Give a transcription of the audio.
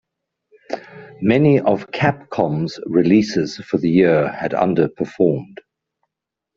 Many of Capcom's releases for the year had underperformed.